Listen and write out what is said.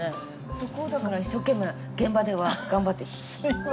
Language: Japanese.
そこをだから一生懸命現場では頑張って。